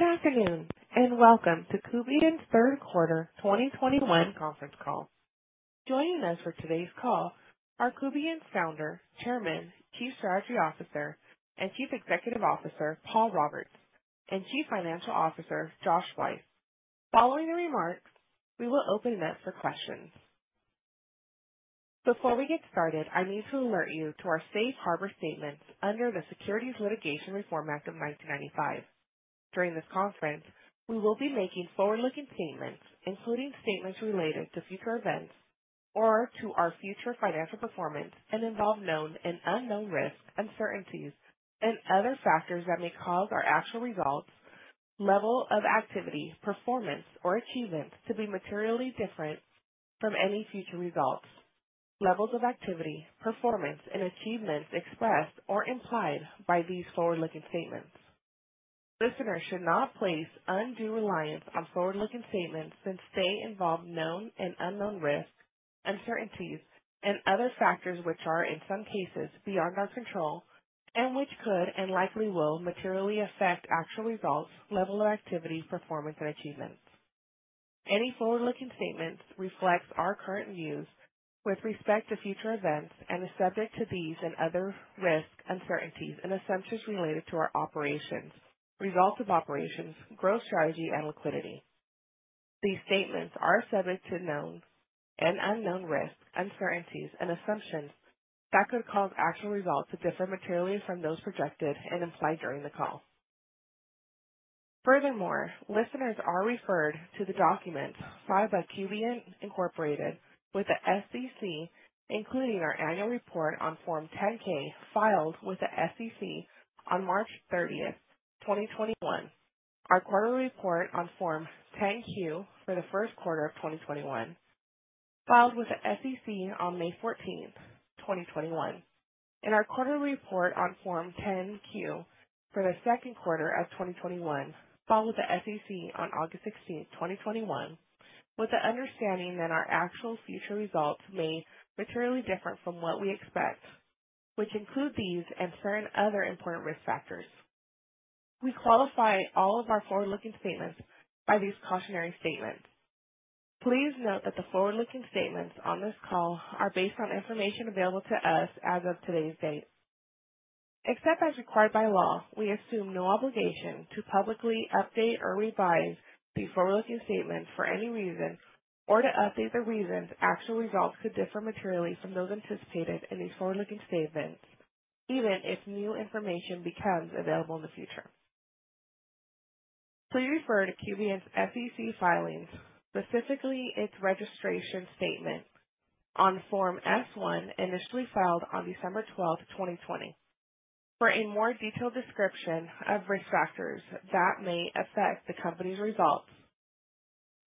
Good afternoon, and welcome to Kubient's third quarter 2021 conference call. Joining us for today's call are Kubient's Founder, Chairman, Chief Strategy Officer, and Chief Executive Officer, Paul Roberts, and Chief Financial Officer, Josh Weiss. Following the remarks, we will open it up for questions. Before we get started, I need to alert you to our Safe Harbor Statements under the Private Securities Litigation Reform Act of 1995. During this conference, we will be making forward-looking statements, including statements related to future events or to our future financial performance, and involve known and unknown risks, uncertainties, and other factors that may cause our actual results, level of activity, performance, or achievements to be materially different from any future results, levels of activity, performance, and achievements expressed or implied by these forward-looking statements. Listeners should not place undue reliance on forward-looking statements since they involve known and unknown risks, uncertainties, and other factors, which are, in some cases, beyond our control and which could and likely will materially affect actual results, level of activity, performance, and achievements. Any forward-looking statements reflect our current views with respect to future events and are subject to these and other risks, uncertainties, and assumptions related to our operations, results of operations, growth, strategy, and liquidity. These statements are subject to known and unknown risks, uncertainties, and assumptions that could cause actual results to differ materially from those projected and implied during the call. Furthermore, listeners are referred to the documents filed by Kubient, Inc. with the SEC, including our annual report on Form 10-K filed with the SEC on March 30, 2021, our quarterly report on Form 10-Q for the first quarter of 2021, filed with the SEC on May 14, 2021, and our quarterly report on Form 10-Q for the second quarter of 2021, filed with the SEC on August 16, 2021, with the understanding that our actual future results may materially differ from what we expect, which include these and certain other important risk factors. We qualify all of our forward-looking statements by these cautionary statements. Please note that the forward-looking statements on this call are based on information available to us as of today's date. Except as required by law, we assume no obligation to publicly update or revise these forward-looking statements for any reason or to update the reasons actual results could differ materially from those anticipated in these forward-looking statements, even if new information becomes available in the future. Please refer to Kubient's SEC filings, specifically its registration statement on Form S-1, initially filed on December 12, 2020, for a more detailed description of risk factors that may affect the company's results.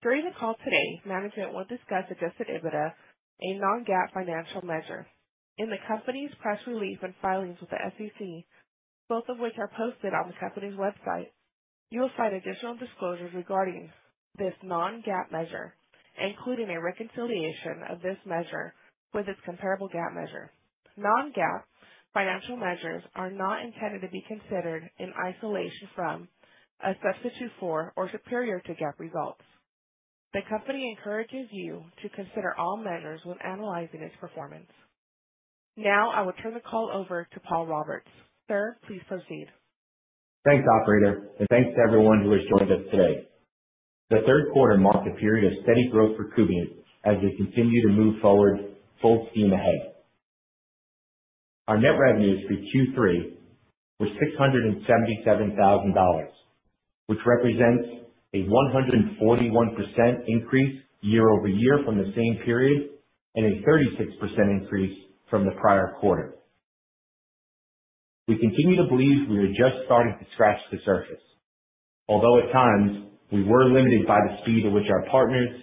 During the call today, management will discuss adjusted EBITDA, a non-GAAP financial measure. In the company's press release and filings with the SEC, both of which are posted on the company's website, you will find additional disclosures regarding this non-GAAP measure, including a reconciliation of this measure with its comparable GAAP measure. Non-GAAP financial measures are not intended to be considered in isolation from a substitute for, or superior to GAAP results. The company encourages you to consider all measures when analyzing its performance. Now I will turn the call over to Paul Roberts. Sir, please proceed. Thanks, operator, and thanks to everyone who has joined us today. The third quarter marked a period of steady growth for Kubient as we continue to move forward full steam ahead. Our net revenues for Q3 were $677,000, which represents a 141% increase year-over-year from the same period and a 36% increase from the prior quarter. We continue to believe we are just starting to scratch the surface, although at times we were limited by the speed at which our partners,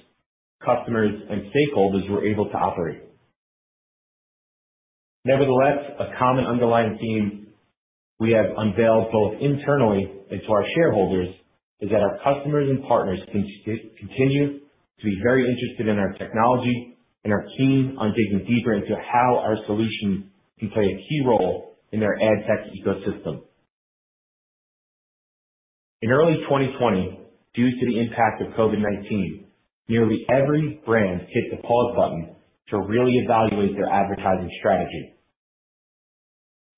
customers, and stakeholders were able to operate. Nevertheless, a common underlying theme we have unveiled both internally and to our shareholders is that our customers and partners continue to be very interested in our technology and are keen on digging deeper into how our solution can play a key role in their ad tech ecosystem. In early 2020, due to the impact of COVID-19, nearly every brand hit the pause button to really evaluate their advertising strategy.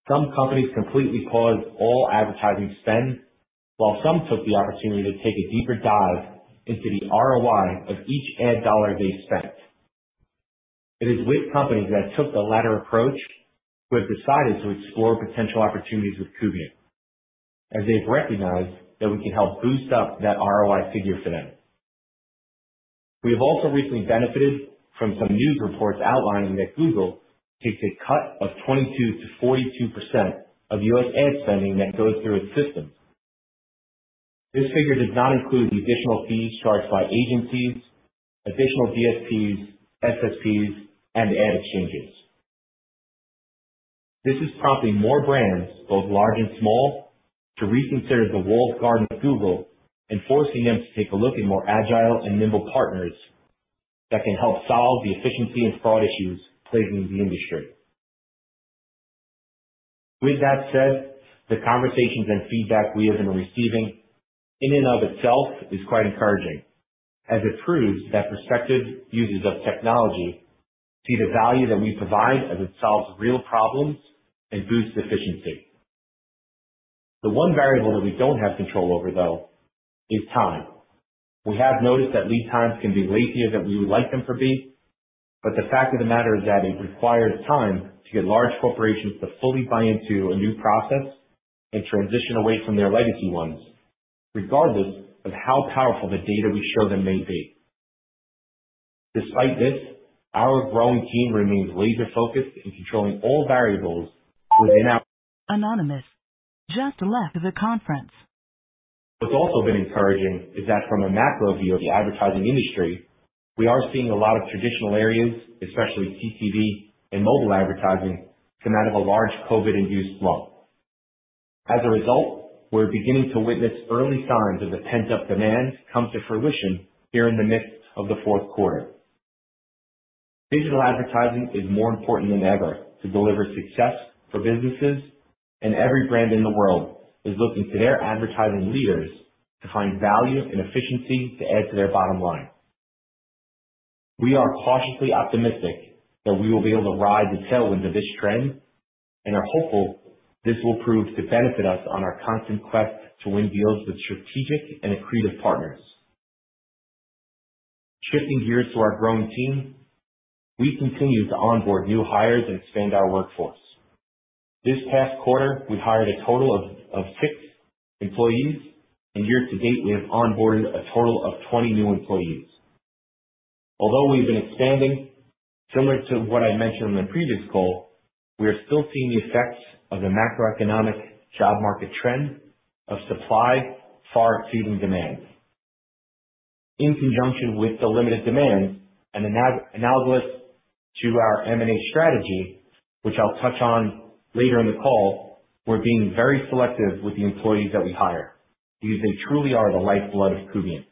Some companies completely paused all advertising spend, while some took the opportunity to take a deeper dive into the ROI of each ad dollar they spent. It is with companies that took the latter approach who have decided to explore potential opportunities with Kubient, as they've recognized that we can help boost up that ROI figure for them. We have also recently benefited from some news reports outlining that Google takes a cut of 22%-42% of U.S. ad spending that goes through its systems. This figure does not include the additional fees charged by agencies, additional DSPs, SSPs, and ad exchanges. This is prompting more brands, both large and small, to reconsider the walled garden of Google and forcing them to take a look at more agile and nimble partners that can help solve the efficiency and fraud issues plaguing the industry. With that said, the conversations and feedback we have been receiving in and of itself is quite encouraging as it proves that prospective users of technology see the value that we provide as it solves real problems and boosts efficiency. The one variable that we don't have control over, though, is time. We have noticed that lead times can be longer than we would like them to be, but the fact of the matter is that it requires time to get large corporations to fully buy into a new process and transition away from their legacy ones, regardless of how powerful the data we show them may be. Despite this, our growing team remains laser-focused on controlling all variables within our. Anonymous just left the conference. What's also been encouraging is that from a macro view of the advertising industry, we are seeing a lot of traditional areas, especially CTV and mobile advertising, come out of a large COVID-induced slump. As a result, we're beginning to witness early signs of the pent-up demand come to fruition here in the midst of the fourth quarter. Digital advertising is more important than ever to deliver success for businesses, and every brand in the world is looking to their advertising leaders to find value and efficiency to add to their bottom line. We are cautiously optimistic that we will be able to ride the tailwinds of this trend and are hopeful this will prove to benefit us on our constant quest to win deals with strategic and accretive partners. Shifting gears to our growing team. We continue to onboard new hires and expand our workforce. This past quarter, we hired a total of six employees, and year to date, we have onboarded a total of 20 new employees. Although we've been expanding, similar to what I mentioned on the previous call, we are still seeing the effects of the macroeconomic job market trend of supply far exceeding demand. In conjunction with the limited demand and analogous to our M&A strategy, which I'll touch on later in the call, we're being very selective with the employees that we hire because they truly are the lifeblood of Kubient.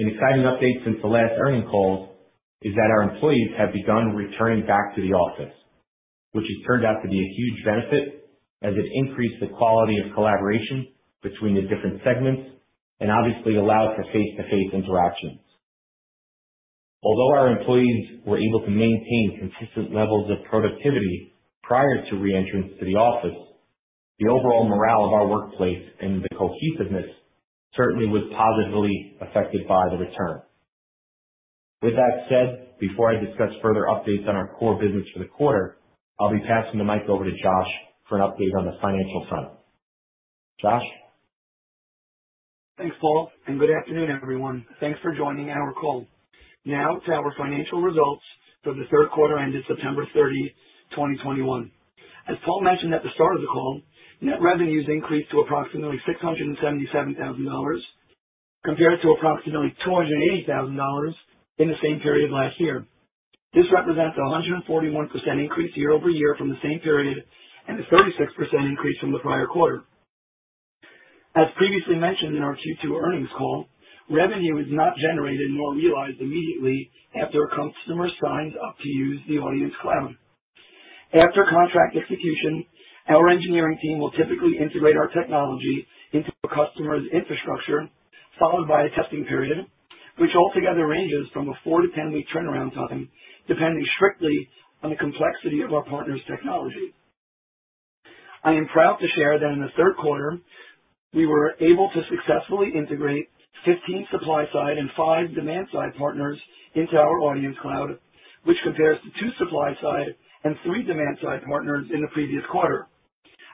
An exciting update since the last earnings call is that our employees have begun returning back to the office, which has turned out to be a huge benefit as it increased the quality of collaboration between the different segments and obviously allowed for face-to-face interactions. Although our employees were able to maintain consistent levels of productivity prior to re-entrance to the office, the overall morale of our workplace and the cohesiveness certainly was positively affected by the return. With that said, before I discuss further updates on our core business for the quarter, I'll be passing the mic over to Josh for an update on the financial front. Josh? Thanks, Paul, and good afternoon, everyone. Thanks for joining our call. Now to our financial results for the third quarter ended September 30, 2021. As Paul mentioned at the start of the call, net revenues increased to approximately $677,000 compared to approximately $280,000 in the same period last year. This represents a 141% increase year-over-year from the same period and a 36% increase from the prior quarter. As previously mentioned in our Q2 earnings call, revenue is not generated nor realized immediately after a customer signs up to use the Audience Cloud. After contract execution, our engineering team will typically integrate our technology into a customer's infrastructure, followed by a testing period, which altogether ranges from a 4- to 10-week turnaround time, depending strictly on the complexity of our partner's technology. I am proud to share that in the third quarter, we were able to successfully integrate 15 supply side and five demand side partners into our Audience Cloud, which compares to two supply side and three demand side partners in the previous quarter.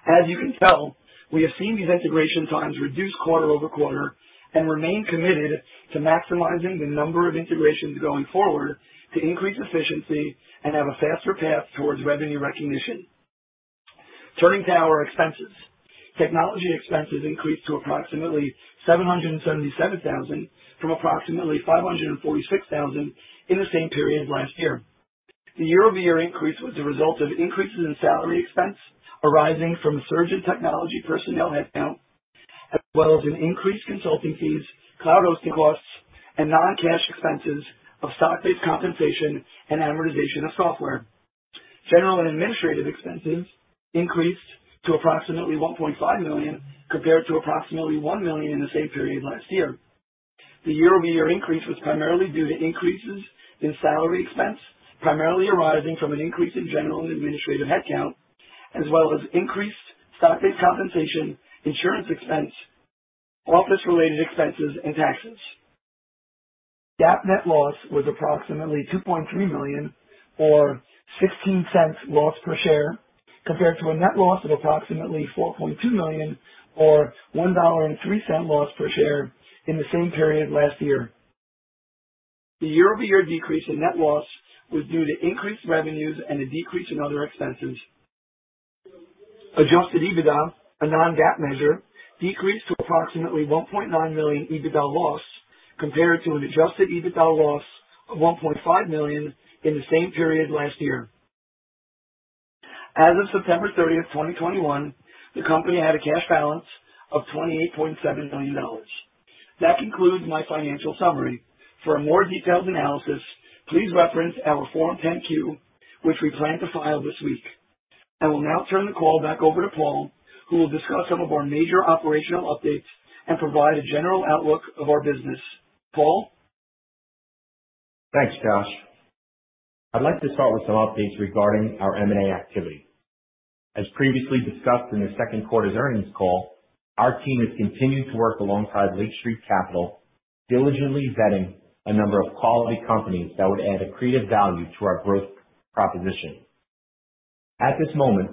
As you can tell, we have seen these integration times reduce quarter-over-quarter and remain committed to maximizing the number of integrations going forward to increase efficiency and have a faster path towards revenue recognition. Turning to our expenses. Technology expenses increased to approximately $777,000 from approximately $546,000 in the same period last year. The year-over-year increase was a result of increases in salary expense arising from a surge in technology personnel headcount, as well as in increased consulting fees, cloud hosting costs, and non-cash expenses of stock-based compensation and amortization of software. General and administrative expenses increased to approximately $1.5 million, compared to approximately $1 million in the same period last year. The year-over-year increase was primarily due to increases in salary expense, primarily arising from an increase in general and administrative headcount, as well as increased stock-based compensation, insurance expense, office-related expenses, and taxes. GAAP net loss was approximately $2.3 million or $0.16 loss per share, compared to a net loss of approximately $4.2 million or $1.03 loss per share in the same period last year. The year-over-year decrease in net loss was due to increased revenues and a decrease in other expenses. Adjusted EBITDA, a non-GAAP measure, decreased to approximately $1.9 million EBITDA loss, compared to an adjusted EBITDA loss of $1.5 million in the same period last year. As of September 30, 2021, the company had a cash balance of $28.7 million. That concludes my financial summary. For a more detailed analysis, please reference our Form 10-Q, which we plan to file this week. I will now turn the call back over to Paul, who will discuss some of our major operational updates and provide a general outlook of our business. Paul? Thanks, Josh. I'd like to start with some updates regarding our M&A activity. As previously discussed in the second quarter's earnings call, our team has continued to work alongside Lake Street Capital, diligently vetting a number of quality companies that would add accretive value to our growth proposition. At this moment,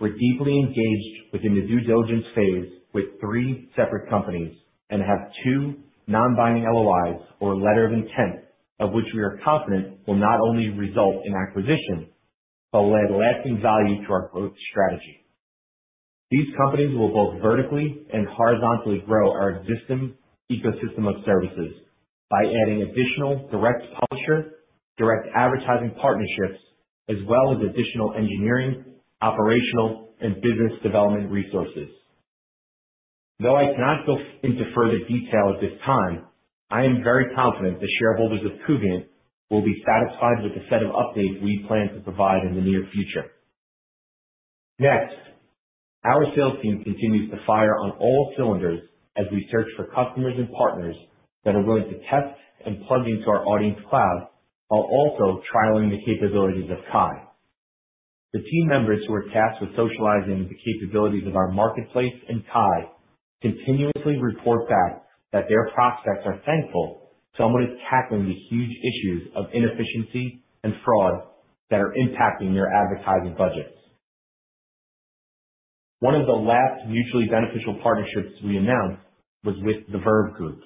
we're deeply engaged within the due Diligence Phase with three separate companies and have two Non-Binding LOIs, or letter of intent, of which we are confident will not only result in acquisition, but will add lasting value to our growth strategy. These companies will both vertically and horizontally grow our existing ecosystem of services by adding additional direct publisher, direct advertising partnerships, as well as additional engineering, operational, and business development resources. Though I cannot go into further detail at this time, I am very confident the shareholders of Kubient will be satisfied with the set of updates we plan to provide in the near future. Next, our sales team continues to fire on all cylinders as we search for customers and partners that are willing to test and plug into our Audience Cloud while also trialing the capabilities of KAI. The team members who are tasked with socializing the capabilities of our marketplace and KAI continuously report back that their prospects are thankful someone is tackling the huge issues of inefficiency and fraud that are impacting their advertising budgets. One of the last mutually beneficial partnerships we announced was with Verve Group,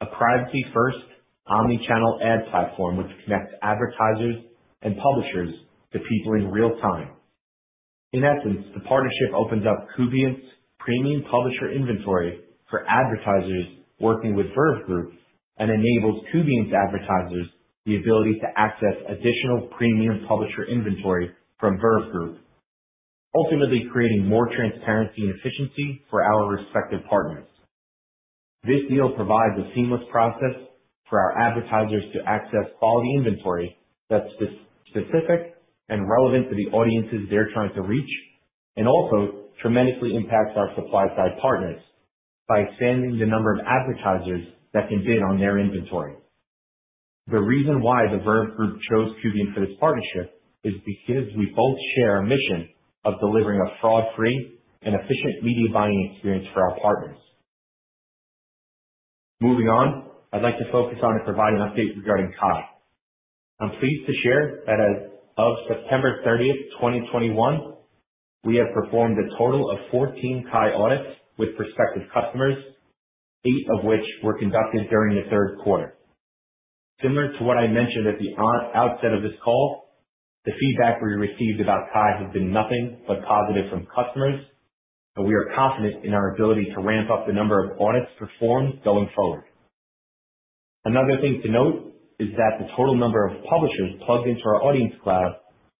a privacy-first omnichannel ad platform which connects advertisers and publishers to people in real time. In essence, the partnership opens up Kubient's premium publisher inventory for advertisers working with Verve Group and enables Kubient's advertisers the ability to access additional premium publisher inventory from Verve Group, ultimately creating more transparency and efficiency for our respective partners. This deal provides a seamless process for our advertisers to access quality inventory that's specific and relevant to the audiences they're trying to reach, and also tremendously impacts our supply side partners by expanding the number of advertisers that can bid on their inventory. The reason why the Verve Group chose Kubient for this partnership is because we both share a mission of delivering a fraud-free and efficient media buying experience for our partners. Moving on, I'd like to focus on and provide an update regarding KAI. I'm pleased to share that as of September 30, 2021, we have performed a total of 14 KAI audits with prospective customers, eight of which were conducted during the third quarter. Similar to what I mentioned at the outset of this call, the feedback we received about KAI has been nothing but positive from customers, and we are confident in our ability to ramp up the number of audits performed going forward. Another thing to note is that the total number of publishers plugged into our Audience Cloud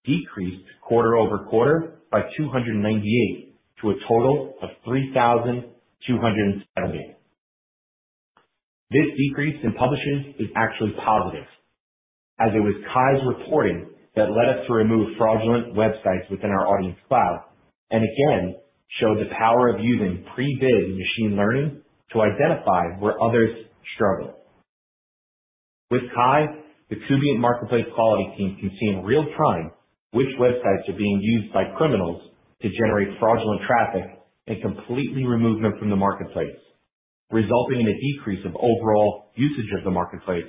decreased quarter-over-quarter by 298 to a total of 3,270. This decrease in publishers is actually positive, as it was KAI's reporting that led us to remove fraudulent websites within our Audience Cloud, and again, show the power of using pre-bid machine learning to identify where others struggle. With KAI, the Kubient marketplace quality team can see in real time which websites are being used by criminals to generate fraudulent traffic and completely remove them from the marketplace, resulting in a decrease of overall usage of the marketplace.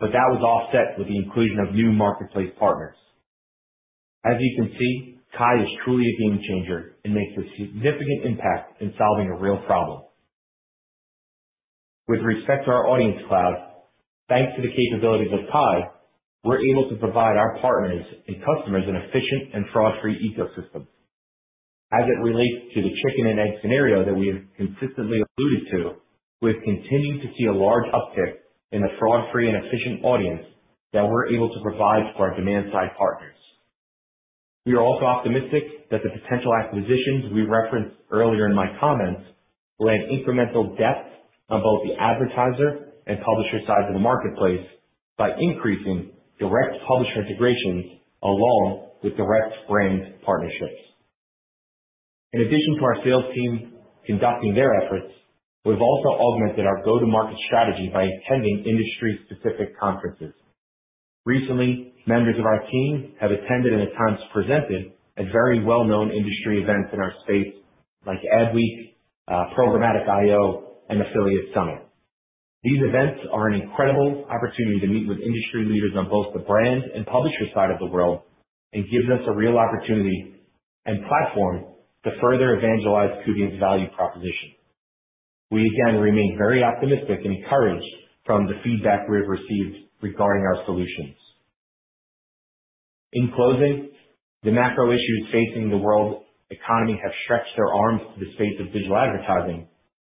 That was offset with the inclusion of new marketplace partners. As you can see, KAI is truly a game changer and makes a significant impact in solving a real problem. With respect to our Audience Cloud, thanks to the capabilities of KAI, we're able to provide our partners and customers an efficient and fraud-free ecosystem. As it relates to the chicken and egg scenario that we have consistently alluded to, we're continuing to see a large uptick in the fraud-free and efficient audience that we're able to provide to our demand-side partners. We are also optimistic that the potential acquisitions we referenced earlier in my comments will add incremental depth on both the advertiser and publisher side of the marketplace by increasing direct publisher integrations along with direct brand partnerships. In addition to our sales team conducting their efforts, we've also augmented our go-to-market strategy by attending industry-specific conferences. Recently, members of our team have attended and at times presented at very well-known industry events in our space like Adweek, Programmatic I/O, and Affiliate Summit. These events are an incredible opportunity to meet with industry leaders on both the brand and publisher side of the world and gives us a real opportunity and platform to further evangelize Kubient's value proposition. We again remain very optimistic and encouraged from the feedback we have received regarding our solutions. In closing, the macro issues facing the world economy have stretched their arms to the space of digital advertising,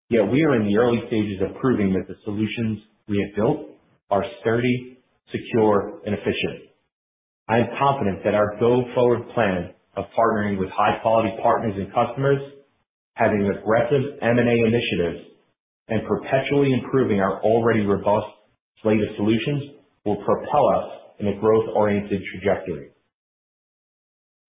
yet we are in the early stages of proving that the solutions we have built are sturdy, secure, and efficient. I am confident that our go forward plan of partnering with high quality partners and customers, having aggressive M&A initiatives, and perpetually improving our already robust suite of solutions will propel us in a growth-oriented trajectory.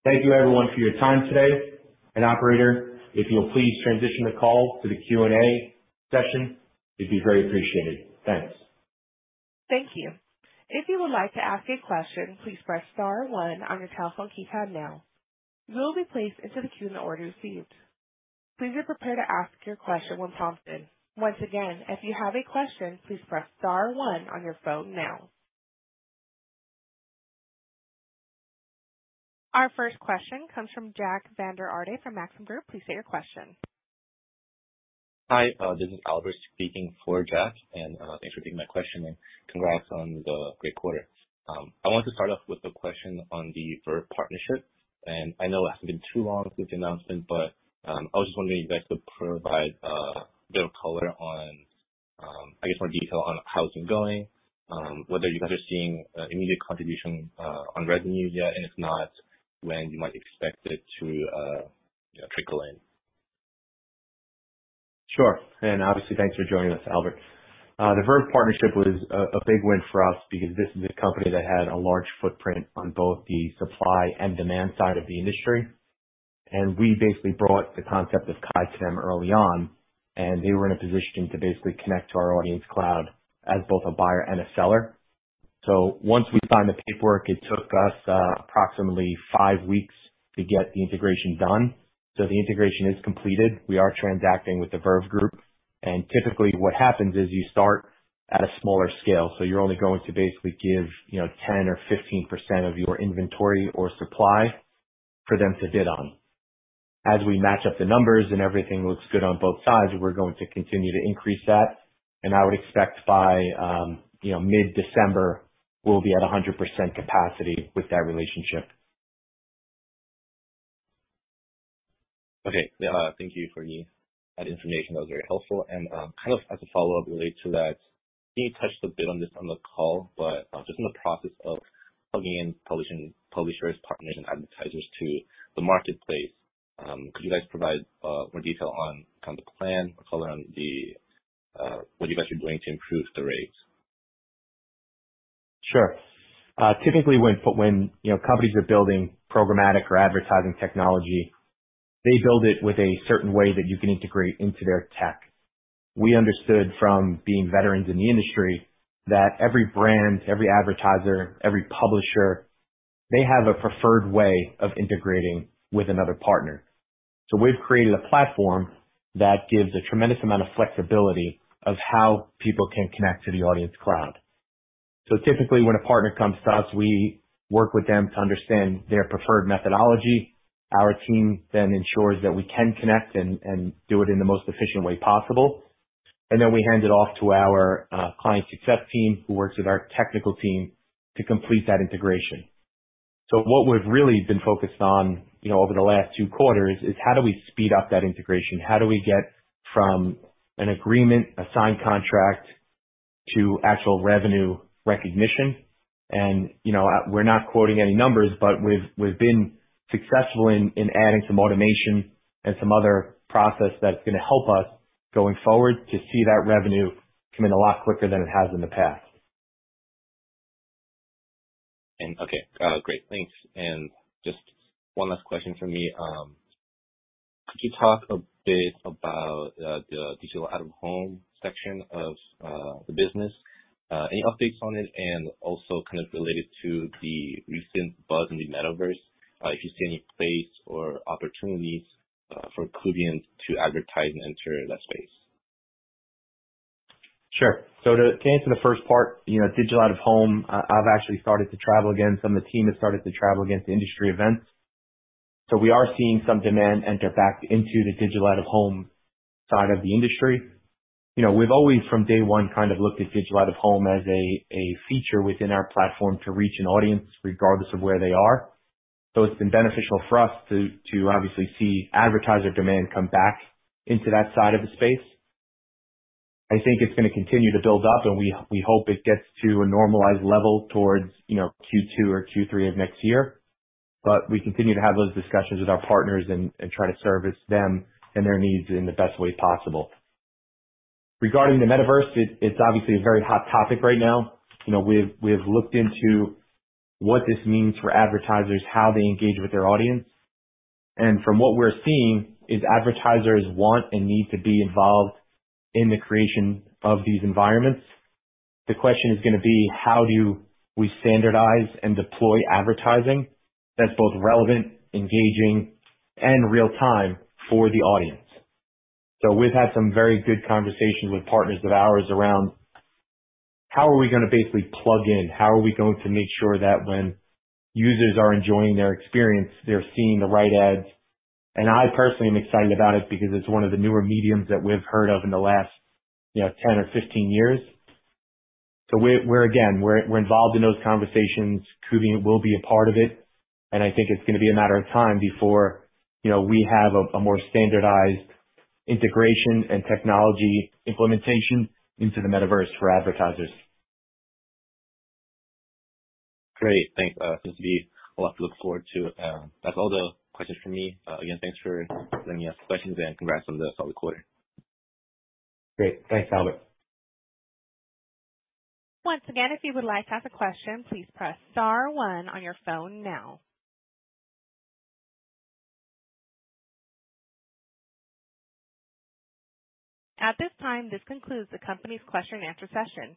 Thank you everyone for your time today. Operator, if you'll please transition the call to the Q&A session, it'd be very appreciated. Thanks. Thank you. If you would like to ask a question, please Press Star one on your telephone keypad now. You will be placed into the queue in the order received. Please get prepared to ask your question when prompted. Once again, if you have a question, please Press Star one on your phone now. Our first question comes from Jack Vander Aarde from Maxim Group. Please state your question. Hi, this is Albert speaking for Jack, and thanks for taking my question and congrats on the great quarter. I want to start off with a question on the Verve partnership. I know it hasn't been too long since the announcement, but I was just wondering if you guys could provide a bit of color on, I guess more detail on how it's been going, whether you guys are seeing immediate contribution on revenues yet and if not, when you might expect it to, you know, trickle in. Sure. Obviously thanks for joining us, Albert. The Verve partnership was a big win for us because this is a company that had a large footprint on both the supply and demand side of the industry, and we basically brought the concept of KAI to them early on, and they were in a position to basically connect to our Audience Cloud as both a buyer and a seller. Once we signed the paperwork, it took us approximately five weeks to get the integration done. The integration is completed. We are transacting with the Verve Group, and typically what happens is you start at a smaller scale, so you're only going to basically give, you know, 10 or 15% of your inventory or supply for them to bid on. As we match up the numbers and everything looks good on both sides, we're going to continue to increase that, and I would expect by, you know, mid-December, we'll be at 100% capacity with that relationship. Okay. Yeah. Thank you for that information. That was very helpful. Kind of as a follow-up related to that, I think you touched a bit on this on the call, but just in the process of plugging in publishers, partners, and advertisers to the marketplace, could you guys provide more detail on kind of the plan or color on what you guys are doing to improve the rates? Sure. Typically, when, you know, companies are building programmatic or advertising technology, they build it with a certain way that you can integrate into their tech. We understood from being veterans in the industry that every brand, every advertiser, every publisher, they have a preferred way of integrating with another partner. We've created a platform that gives a tremendous amount of flexibility of how people can connect to the Audience Cloud. Typically, when a partner comes to us, we work with them to understand their preferred methodology. Our team then ensures that we can connect and do it in the most efficient way possible. Then we hand it off to our client success team, who works with our technical team to complete that integration. What we've really been focused on, you know, over the last two quarters is how do we speed up that integration? How do we get from an agreement, a signed contract to actual revenue recognition? You know, we're not quoting any numbers, but we've been successful in adding some automation and some other process that's gonna help us going forward to see that revenue come in a lot quicker than it has in the past. Okay. Great. Thanks. Just one last question from me. Could you talk a bit about the digital out-of-home section of the business, any updates on it, and also kind of related to the recent buzz in the metaverse, if you see any space or opportunities for Kubient to advertise and enter that space? Sure. To answer the first part, you know, digital out-of-home, I've actually started to travel again. Some of the team has started to travel again to industry events. We are seeing some demand enter back into the digital out-of-home side of the industry. You know, we've always from day one kind of looked at digital out-of-home as a feature within our platform to reach an audience regardless of where they are. It's been beneficial for us to obviously see advertiser demand come back into that side of the space. I think it's gonna continue to build up, and we hope it gets to a normalized level towards, you know, Q2 or Q3 of next year. We continue to have those discussions with our partners and try to service them and their needs in the best way possible. Regarding the metaverse, it's obviously a very hot topic right now. You know, we have looked into what this means for advertisers, how they engage with their audience. From what we're seeing is advertisers want and need to be involved in the creation of these environments. The question is gonna be how do we standardize and deploy advertising that's both relevant, engaging, and real time for the audience? We've had some very good conversations with partners of ours around how are we gonna basically plug in? How are we going to make sure that when users are enjoying their experience, they're seeing the right ads? I personally am excited about it because it's one of the newer mediums that we've heard of in the last, you know, 10 or 15 years. We're involved in those conversations. Kubient will be a part of it, and I think it's gonna be a matter of time before, you know, we have a more standardized integration and technology implementation into the metaverse for advertisers. Great. Thanks. Seems to be a lot to look forward to. That's all the questions for me. Again, thanks for letting me ask questions, and congrats on the solid quarter. Great. Thanks, Albert. Once again, if you would like to ask a question, please Press Star one on your phone now. At this time, this concludes the company's question and answer session.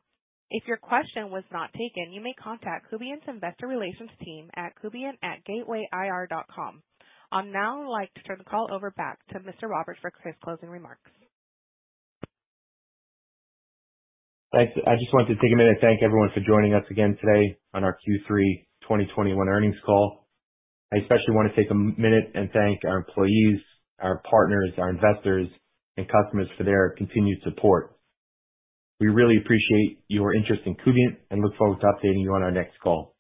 If your question was not taken, you may contact Kubient's investor relations team at kubient@gatewayir.com. I'd now like to turn the call over back to Mr. Roberts for his closing remarks. Thanks. I just wanted to take a minute and thank everyone for joining us again today on our Q3 in 2021 earnings call. I especially wanna take a minute and thank our employees, our partners, our investors, and customers for their continued support. We really appreciate your interest in Kubient and look forward to updating you on our next call.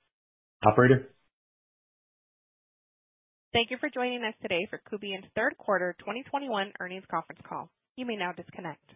Operator? Thank you for joining us today for Kubient's third quarter 2021 earnings conference call. You may now disconnect.